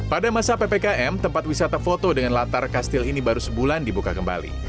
pada masa ppkm tempat wisata foto dengan latar kastil ini baru sebulan dibuka kembali